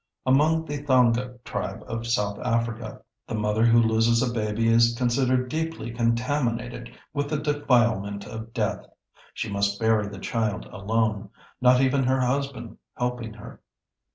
Among the Thonga Tribe of South Africa, the mother who loses a baby is considered deeply contaminated with the defilement of death. She must bury the child alone, not even her husband helping her.